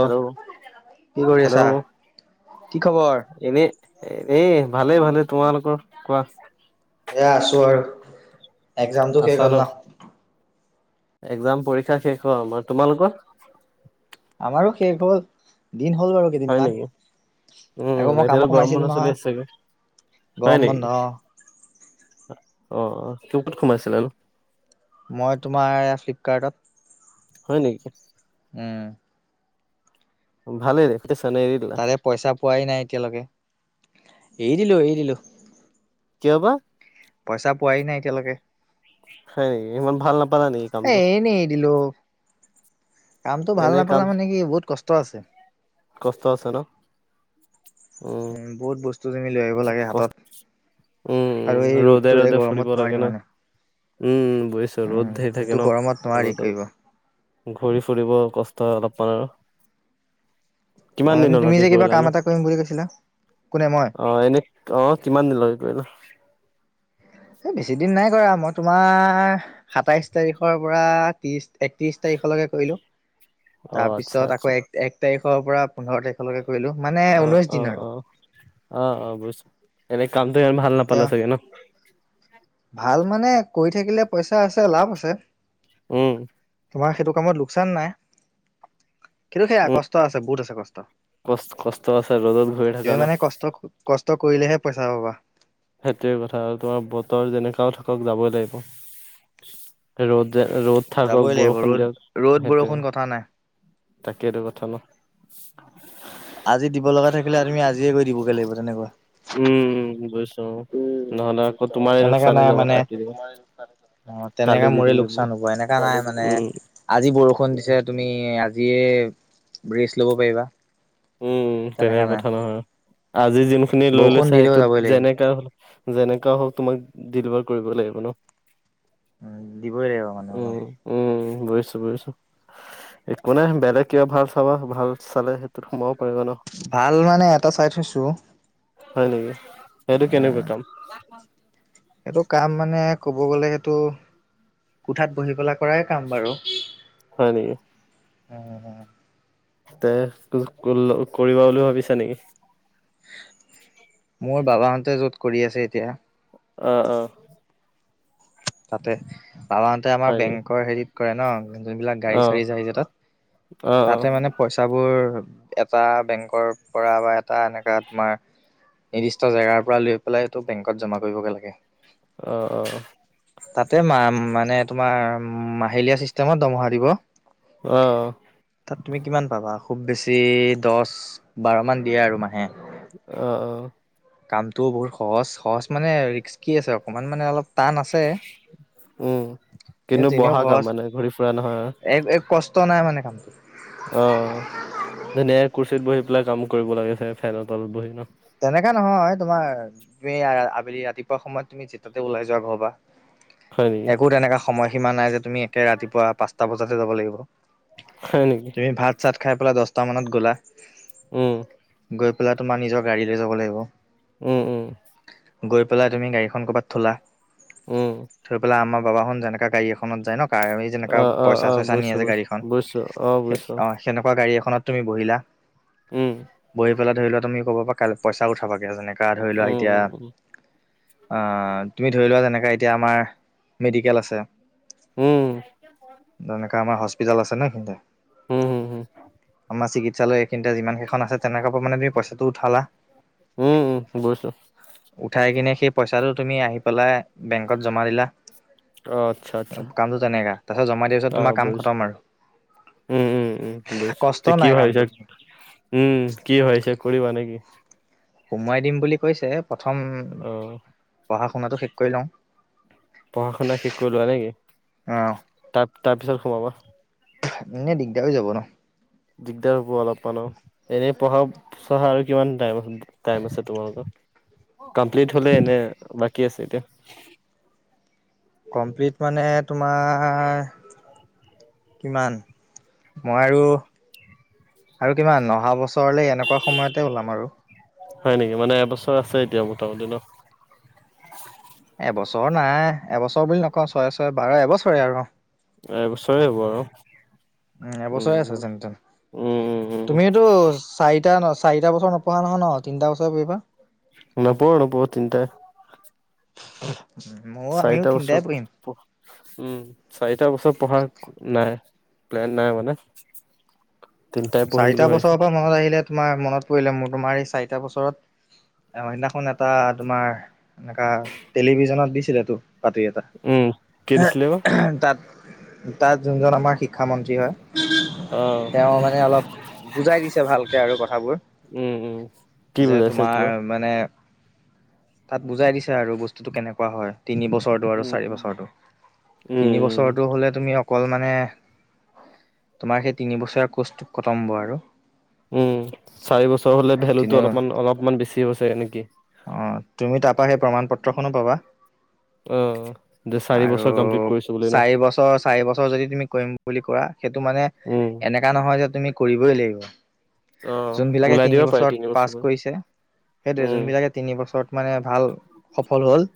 Hello কি কৰি আছা হেল্ল' কি খবৰ? এনে এই ভালেই ভালে, তোমালোকৰ কোৱা? এ আছো আৰু একজামতটো শেষ হ'ল ন? এক্সাম পৰীক্ষা শেষ হল আমাৰ, তোমালোকৰ? আমাৰো শেষ হ'ল, দিন হ'ল বাৰু। হয় কেইদিনমান নেকি? আকৌ উম মই কামত এতিয়াতো গৰম সোমাইছিলো ম চলি নহয় আছেগে, হয় গৰম বন্ধ নেকি? অ অ টো ক'ত সোমাইছিলা নো মই তোমাৰ ফ্লিপকাৰ্টত হয় নেকি? উম। ভালেইে [unintelligible] এৰি দিলা। তাৰে পইচা পোৱাই নাই এতিয়ালৈকে, এৰি দিলো এৰি দিলো। কিয় বা পইচা পোৱা নাই এতিয়ালৈকে হয় ইমান ভাল নাপায় এ এনে এ দিলো কামটো ভাল এনেই নাপালা কাম মানে কি বহুত কষ্ট আছে কষ্ট আছে ন উ উ বহুত বস্তু খিনি লৈ আহিব লাগে হাতত আৰু উম এই উ ৰ'দে ৰ'দটো এই ৰ'দে গৰমত ফুৰিব নোৱাৰি লাগে ন মানে উম বুজিছো ৰ'দ উম ধেৰ এইটো থাকে ন গৰমত নোৱাৰি ৰ'দত কৰিব ঘূৰি ফুৰিব কষ্ট হয় অলপমান আৰু অ কিমান এ তুমি দিনলৈকে যে কিবা কাম কৰিলানো এটা কৰিম বুলি কৈছিলা কোনে মই অ এনে অ কিমান দিন লগে কৰিলা এ বেছি দিন নাই কৰা মই তোমাৰ সাতাইশ তাৰিখৰ পৰা ত্ৰিশ একত্ৰিছ তাৰিখলৈকে কৰিলোঁ অ আচ্ছা তাৰপিছত আচ্ছা আকৌ এক এক তাৰিখৰ পৰা পোন্ধৰ তাৰিখলৈকে কৰিলোঁ মানে অ ঊনৈছ অ দিন আৰু অ অ অ বুজিছো এনে কামটোম ইমান ভাল নাপালা এতিয়া চাগে ন ভাল মানে কৰি থাকিলে পইচা আছে লাভ আছে উম তোমাৰ সেইটো কামত লোকচান নাই কিন্তু সেয়া উম কষ্ট আছে বহুত আছে কষ্ট কষ্ট আছে ৰ'দত ঘূৰি তুমি থাকা ন মানে কষ্ট কষ্ট কৰিলেহে পইচা পাবা সেইটোৱে কথা আৰু তোমাৰ বতৰ যেনেকাও থাকক যাবই লাগিব ৰ'দ ৰ'দ থাকক যাবই লাগিব বৰষুণ ৰ'দ দিয়ক ৰ'দ বৰষুণ সেইটোৱে কথা নাই। তাকেইটো কথা ন আজি দিব লগা থাকিলে তুমি আজিয়ে গৈ দিবগে লাগিব তেনেকুৱা উম বুইিছো নহলে আকৌ তোমাৰ এনেকা লোকচান হৈ নাই যাব মানে কাটি দিবা অ তেনেকে মোৰে লোকচান হ'ব এনেকা নাই মানে উম আজি বৰষুণ দিছো তুমি আজিয়ে ৰেচ ল'ব পাৰিবা উম তেনেকা তেনেকে নাই কথা নহয় আজি যোনখিনি লৈ বৰষুণ লৈছা দিলেও সেইটোত যাবই লাগিব যেনেকা হল যেনেকা হওক তোমাক ডেলিভাৰ কৰিব লাগিব ন উম দিবই লাগিব মানে উম উম বুজিছো বুজিছো একো নাই বেলেগ কিবা ভাল চাবা ভাল চালে সেই সোমাব পাৰিবা ন ভাল মানে এটা চাই থৈছো হয় নেকি সেইটো কেনেকুৱা কাম? এইেইটো কাম মানে ক'ব গ'লে সেইটো কোঠাত বহি পেলা কৰাই কাম বাৰু। হয় নেকি? উম তে কৰিবা বুলি ভাবিছা নেকি? মোৰ বাবাহঁতে য'ত কৰি আছে এতিয়া। অ অ তাতে [unintelligible] তাতে আমাৰ হয় নেকি বেংকৰ হেৰিত কৰে ন, যোনবিলাক অ গাড়ী চাৰি [unintelligible] তাত অ অ তাতে মানে পইচাবোৰ এটা বেংকৰ পৰা বা এটা এনেকাঁ তোমাৰ নিৰ্দিষ্ট জেগাৰ পৰা লৈ পেলাইটো বেংকত জমা কৰিবগৈ লাগে। অঁ অঁ তাতে মা মানে তোমাৰ মাহেলীয়া চিষ্টেমত দমহা দিব। অ তাত তুমি কিমান পাবা খুব বেছি দছ বাৰমান দিয়ে আৰু মাহে। অ অ কামটোও বহুত সহজ সহজ মানে ৰিস্কি আছে অকমান মানে অলপ টান আছে উম কিন্তু তেনেও বহা কাম সহজ মানে ঘূৰি ফুৰা নহয় এক এক কষ্ ষ্ট নাই মানে কামটো অ ধুনীয়াক কুৰ্চীত বহি পেলাই কাম কৰিব লাগে ফে ফেনৰ তলত বহি ন তেনেকা নহয় তোমাৰ তুমি আ আবেলি ৰাতিপুৱা সময়ত তুমি যেতাতে ওলাই যোৱা ঘৰৰ পা হয় নেকি একো তেনেকুৱা সময়সীমা নাই যে তুমি এতিয়া ৰাতিপুৱা পাঁচটা বজাহে যাব লাগিব হয় নেকি? তুমি ভাত চাত খাই পেলাই দছটামানত গ'লা উম গৈ পেলাই তোমাৰ নিজৰ গাড়ী লৈ যাব লাগিব। উম উম গৈ পেলাই তুমি গাড়ীখন কৰ'বাত থলা উম, থৈ পেলাই আমাৰ বাবা খন যেনকা গাড়ী এখন খনত যাই ন কাৰ এই যেনেকা অ', অ', পইচা অ', চইচা নিয়ে বুজিছো যে বুজিছো গাড়ীখন বুজিছো সে বুজিছো অ সেনেকুৱা গাড়ী এখনত তুমি বহিলা উম, বহি পেলাই ধৰি লোৱা তুমি ক'বাপা কাইলে পইচা উঠাবাগে যেনেকা ধৰি লোৱা এতিয়া উম, উম, অ তুমি ধৰি লোৱা যেনেকা এতিয়া আমাৰ মেডিকেল আছে উম, তেনেকা আমাৰ হস্পিতেল আছে ন এইখিনিতে উম হুম হুম আমাৰ চিকিৎসালয় এইখিনিতে যিমানকেইখন আছে তেনেকা পা মানে তুমি পইচাটো উঠালা। উম উম বুইছো। উঠাই কিনে সেই পইচাটো তুমি আহি পেলাই বেংকত জমা দিলা অ আচ্ছাত কামটো তেনেকা তাৰ পাছত জমাই দিয়া পিছত তোমাৰ কাম বুজিছো খতম আৰু উম উম উম বুইছো কষ্ট তে কি নাই ভাবিছা কামটোত উম কি ভাবিছা কৰিবা নে কি সোমোৱাই দিম বুলি কৈছে প্ৰথম অ', পঢ়া শুনাটো শেষ কৰি লওঁ। পঢ়া শুনা শেষ কৰি লোৱা নেকি? অ তাৰতাৰপিছত সোমাবা। এনেই দিগদাৰ হৈ যাব ন। দিগদাৰ হ'ব অলপমান আৰু। এনেই পঢ়া, চঢ়া আৰু কিমান টাইম টাইম আছে তোমালোকৰ? কমপ্লিট হলে এনে বাকী আছে এতিয়া। কমপ্লিট মানে তোমাৰ- কিমান? মই আৰু আৰু কিমান অহা বছৰলে এনেকুৱা সময়তে ওলাম আৰু হয় নিকি মানে এবছৰ আছে এতিয়া মোটামুটি ন? এবছৰ নাই এবছৰ বুলি নকওঁ ছয়ে ছয়ে বাৰ এবছৰে আৰু অ এবছৰে হ'ব আৰু উম এবছৰে আছে যেনতেন উম, উম, তুমিওটো চাৰিটা ন চাৰিটা বছৰ নপঢ়া নহয় ন তিনটা বছৰ পঢ়িবা নোপোৰো-নোপোৰো তিনটাই ময়ো আমিও চাৰিটা বছৰ তিনিটাই পঢ়িম। পঢ় উম, চাৰিটা বছৰ পঢ়া নাই প্লেন নাই মানে তিনিটাই পঢ়িম বুলি চাৰিটা ভাবিছো বছৰৰ পৰা মনত আহিলে, তোমাৰ মনত পৰিলে মোৰ তোমাৰ এই চাৰিটা বছৰত- অ সেই দিনাখন এটা তোমাৰ এনাকা টেলিভিজনত দিছিলেতো। উম, কি দিছিলে বা [unintelligible] তাত তাত যোনজন আমাৰ শিক্ষামন্ত্ৰী হয় অ'। তেওঁ মানে অলপ বুজাই দিছে ভালকে আৰু কথাবোৰ, উম, উম, কি যে বুজাইছে তোমাৰ কিবা মানে, তাত বুজায় দিছে আৰু বস্তুটো কেনেকুৱা হয় তিনি বছৰ ঘৰটো আৰু উম, চাৰি উম, বছৰটো, উম, তিনি বছৰ। উম, চৰটো হলে তুমি অকল মানে, তোমাৰ সেই তিনি বছৰীয়া কোৰ্চটো কতম্ব আৰু। উম, চাৰি বছৰ হলে ভেলুটো কিন্তু অলপমান অলপমান বেছি হ'ব ব চাগে নেকি। অ তুমি তাৰপৰা সেই প্ৰমাণ পত্ৰখনো পাবা। অ', দে চাৰি বছৰ কমপ্লিট কৰিছোঁ বুলি ন? এই বছৰ- চাৰি বছৰ যদি তুমি কৰিম বুলি কোৱা সেইটো মানে উম, এনেককা নহয় যে তুমি কৰিবই লাগিব। অ', যোনবিলাকে ওলাই দিব তিনি পাৰে বছৰত পাছ বছৰ কৰিছে সেইটোৱে উম, যোনবিলাকে তিনি বছৰত মানে ভাল, সফল হ'ল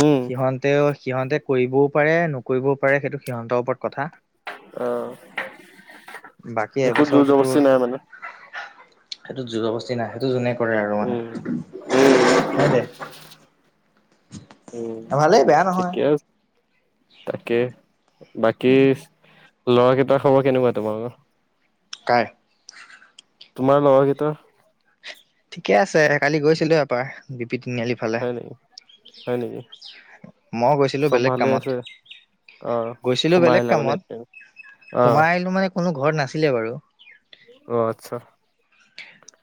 উম সিহঁনতেও, সিহঁতে কৰিবও পাৰে নকৰিবও পাৰে সেইটো সিহঁতৰ ওপৰত কথা। অঁ, বাকী একো এবছৰ জোৰ জবস্তি নাই মানে। সেইতো যুৰজো বস্তি নাই সেইটো যোনে কৰে আৰু মানে উম, উম। সেইটোৱে উ', ভালেই বেয়া নহয় ঠিকে, তাকে। বাকী, ল'ৰা কেইটাৰ খবৰ কেনেকুৱা তোমালোকৰ? কাই- তোমাৰ লৰা কেইটা ঠিকে আছে, কালি গৈছিলো এপাৰ দুপি তিনিআলি ফালে হয় নেকি, হয় নেকি। মই গৈছিলোঁ চব বেলেগ ভালে কামত। আছে অ গৈছিলো সোমাই বেলেগ আহিলা মানে কামত অ সোমাই আহিলো মানে কোনো ঘৰত নাছিলে বাৰু। অ', আচ্ছা।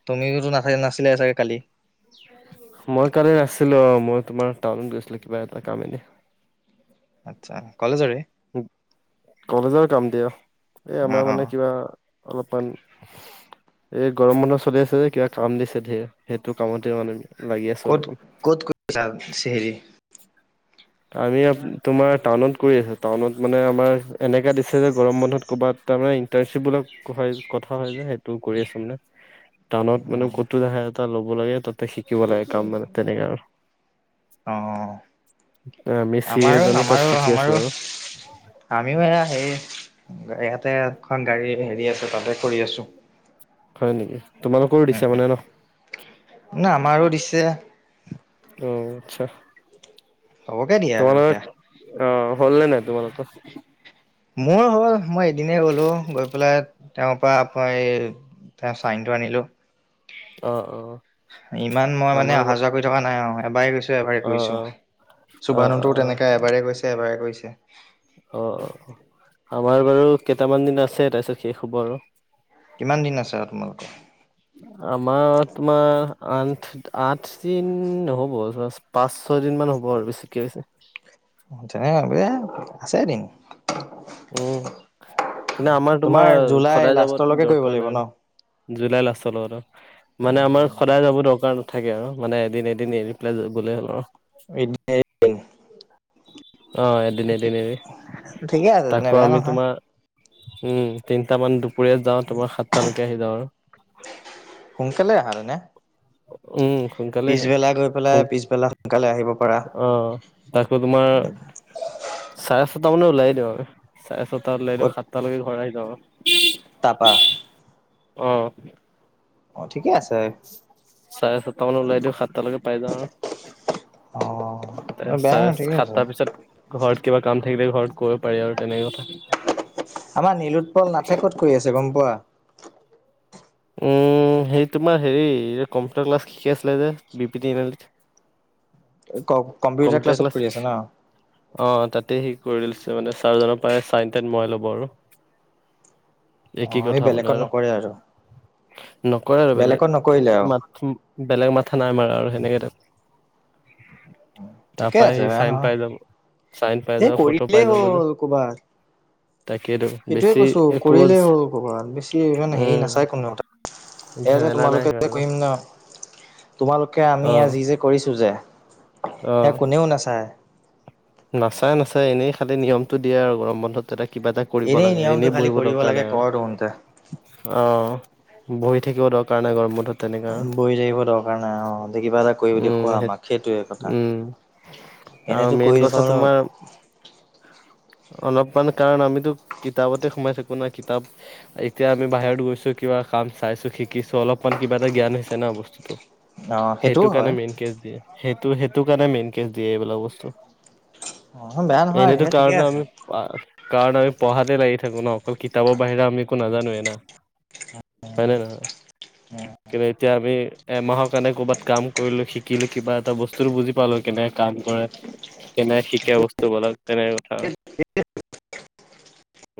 তুমিওটো নাথাকা, নাছিলা চাগে কালি? [inaudible] মই কালি নাছিলো অ মই তোমাৰ টাউনত গৈছিলোঁ কিবা এটা কাম এনে আচ্ছা কলেজৰে কলেজৰ কাম দিয়া এই অ আমাৰ অ মানে কিবা অলপমান এই গৰম বন্ধ চলি আছে যে কিবা কাম দিছে ধেৰ সেইটো কামতে মানে লাগি আছো ক'ত অলপমান ক'ত কৈছা ছে হেৰি [unintelligible] আমি তোমাৰ টাউনত কৰি আছো টাউনত মানে আমাৰ এনেকে দিছে যে গৰম বন্ধত ক'বাত তাৰমানে ইণ্টাৰ্ণশ্বিপ বিলাক হয় কথা হয় যে সেইটো কৰি আছো মানে টানত অ মানে ক'তো দেখা এটা ল'ব লাগে তাতে শিক- অ-অ-অ। আমি চি এ আমাৰো, এজনো তাত আমাৰো শিকি আছো আমাৰো। আৰু আমিও এয়া হেৰি, ইয়াতে এখন গাড়ী হেৰি আছে, তাতে কৰি আছোঁ। হয় নেকি? তোমালোকৰো দিছে মানে ন? না, আমাৰো দিছে। অঁ, আচ্ছা। হ'বগে দিয়া আৰু তোমালোকৰ সেয়া অ হ'ল নে নাই তোমালোকৰ মোৰ হ'ল মই এদিনে গ'লো গৈ পেলাই তেওঁৰ পৰা আপ এই তেওঁ চাইনটো আনিলো অ অ ইমান মই মানে আমাৰ অহা অ যোৱা কৰি থকা নাই আই এবাৰে গৈছো এবাৰে অ কৰিছো অ অ সুভান হতেও অ তেনেকাই এবাৰে গৈছে এবাৰে কৰিছে অ অ আমাৰ বাৰু কেইটামান দিন আছে তাৰপিছত শেষ হ'ব আৰু কিমান দিন আছে আউ তোমালোক আমাৰ তোমাৰ আঠ আঠ দিন নহ'ব ধৰা পাঁচ ছয় দিন মান হ'ব আৰু বেছিকে ছাই আউ এ আছে এদিন উম কিন্তু আমাৰ তোমাৰ জুলাই সদায় যাব লাষ্টলৈকে কৰিব দৰকাৰ লাগিব নাই ন জুলাই লাষ্ট লগত অ মানে আমাৰ সদায় যাব দৰকাৰ নাথাকে আৰু মানে এদিন এদিন এৰি পেলাই গ'লে হ'ল আৰু এ দি এ দ অ এদিন এদিন এৰি ঠিকে আছে তেনে তাকো বেয়া আমি নহয় তোমাৰ উম তিনটামান দুপৰীয়া যাওঁ তোমাৰ সাতটালৈকে আহি যাওঁ আৰু সোনকালে আহা তেনে উম সোনকালেই পিছবেলা গৈ পেলাই হয় পিছবেলা সোনকালে আহিব পাৰা অ তাতকৈ তোমাৰ চাৰে চয়টা মানত ওলাই দিওঁ আৰু চাৰে ছটাত ওলাই দিওঁ ক'ত সাতটালৈকে ঘৰ আহি যাওঁ আউ তাপা অ অ ঠিকে আছে চাৰে চটা মানত ওলাই দিওঁ সাতটা লেকে পাই যাওঁ আৰু অ অ তাৰে বেয়া ন চাৰে ঠিকে আছে সাতটা পিছত ঘৰত কিবা কাম থাকিলে ঘৰত কৰিব পাৰি আৰু তেনেকোৱা কথা আমাৰ নীলোৎপল নাথে ক'ত কৰি আছে গম পোৱা উম হেৰি তোমাৰ হেৰি কম্পিউটাৰ ক্লাছ শিকি আছিলে যে বি পি টি নে কওক কম্পিউটাৰ ক্লাছ অ' তাতে ঠিক কৰি লৈছে মানে ছাৰজনৰ পৰাই চাইন টাইন মৰাই ল'ব আৰু অ একেই এই কথা মানে বেলেগত আৰু নকৰে নকৰে আৰু বেলেগত বেলেগ নকৰিলে আৰু মা বেলেগ মাথা নাই মাৰা আৰু হেনেকেই থাক তাৰ ঠিকেই পৰাই আছে সি বেয়া চাইন নহয় পাই যাব চাইন পাই এ যাব ফটো পাই কৰিলেই যাব যে। হ'ল ক'বাত তাকেইতো সেইটোয়ে বেছি কৈছো একো কৰিলেই হ'ল ক'ৰবাত বেছি ইমান হেৰি উম, নাচায় কোনেও তাত এয়া যে ঝেমেলা নাই তোমালোকে যে সিমানো কইম ন তোমালোকে আমি ইয়াৰ অ', যি যে কৰিছোঁ যে সেয়া অ'। কোনেও নেচায় নাচাই নাচাই এনেই খালি নিয়মটো দিয়ে আৰু গৰম বন্ধত যাতে কিবা এটা কৰিব লাগে। নিয়মটো এনেই খালি বহিব কৰিব দৰকাৰ লাগে নাই আৰু কৰ তহোঁতে অ', বহি থাকিব দৰকাৰ নাই গৰম বন্ধত তেনেকা বহি থাকিব দৰকাৰ নাই। অহ দে', কিবা এটা কৰি দেখুৱা আমাক সেইটোয়ে কথা। আহ এনেতো মেইন কৰি কথা দেখুৱাবলৈ তোমাৰ। অলপমান কাৰণ আমিতো কিতাপতে সোমাই থাকোঁ না কিতাপ। এতিয়া আমি বাহিৰত গৈছো কিবা কাম চাইছোঁ শিকিছোঁ। অলপমান কিবা এটা জ্ঞান হৈছে ন বস্তুটো। অ সেইটোও সেইটো হয় কাৰণে মেইন কেচ দিয়ে। সেইটো সেইটো কাৰণে মেইন কেচ দিয়ে এইবিলাক বস্তু। নহয়, বেয়া নহয় সেইয়া ঠিকে আছে। পাৰ কাৰণ আমি পঢ়াতে লাগি থাকো। ন অকল কিতাপৰ বাহিৰে আমি একো নাজানোৱে ন। হয়নে নহয়। উম কিন্তু এতিয়া আমি এমাহৰ কাৰণে ক'ৰবাত কাম কৰিলোঁ। শিকিলোঁ কিবা এটা বস্তুতটো বুজি পালোঁ কেনে কাম কৰে। কেনেকে শিকে বস্তু বিলাক তেনেকে কথা আৰু। যিটো।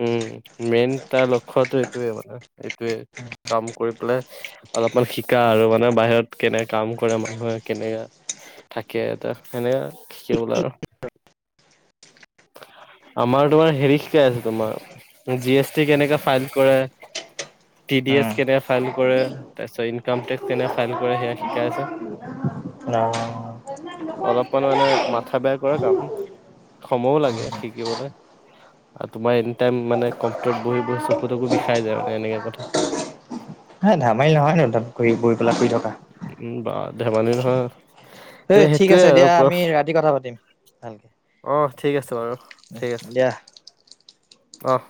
উম', মেইন তাৰ লক্ষ্যতো এইটোয়ে মানে এইটোৱে কাম কৰি পেলে। অলপমান শিকা আৰু মানে বাহিৰত কেনে কাম কৰে মানুহে কেনেকা। থাকে তাৰ সেনেকা কেওলাৰ আমাৰ তোমাৰ হেৰি শিকাই আছে। তোমাৰ জি এছ টি কেনেকে ফাইল কৰে। টি ডি এছ উম কেনে ফাইল কৰে। তাৰপিছত ইনক টেক্স কেনে ফাইল কৰে সেয়া শিকাই আছে। নাহ। অলপমান মানে মাথা বেয়া কৰা কাম সময়ও লাগে। শিকিবলে। আৰু তোমাৰ এনি টাইম মানে কম্পিউটাৰত বহি বহি চকু টকো বিষাই যায়া মানে এনেকে কথা। হে ধমালি নহয় জানো এইবিলাক কৰি বৈ পেলাই শুই থকা। উম বা ধেমালি নহয়। ঐ এ ঠিক আছে। দিয়া আমি ৰাতি কথা পাতিম। ভালকে অহ ঠিক আছে বাৰু ঠিক আছে দিয়া অহ।